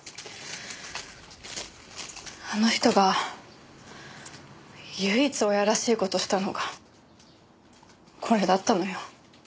あの人が唯一親らしい事したのがこれだったのよ。